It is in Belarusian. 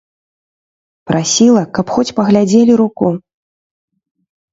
Прасіла, каб хоць паглядзелі руку.